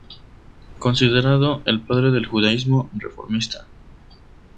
Considerado "el padre del Judaísmo reformista".